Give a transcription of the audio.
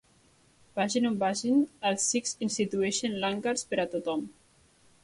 Vagin on vagin, els sikhs institueixen langars per a tothom.